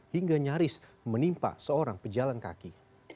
hingga nyaris menimpa seorang pejalan kaki